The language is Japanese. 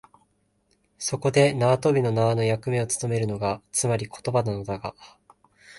そこで縄跳びの縄の役目をつとめるのが、つまり言葉なのだが、